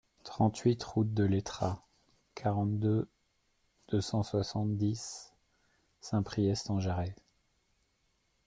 trente-huit route de L'Etrat, quarante-deux, deux cent soixante-dix, Saint-Priest-en-Jarez